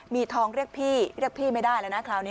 มีทองเรียกพี่เรียกพี่ไม่ได้แล้วนะคราวนี้